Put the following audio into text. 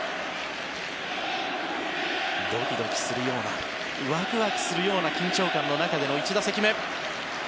ドキドキするようなワクワクするような緊張感の中での１打席目。